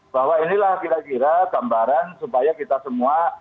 bahwa inilah kira kira gambaran supaya kita semua